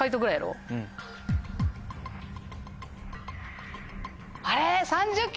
うん。あれ？